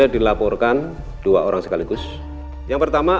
aku cintamu duman aku sangat cintamu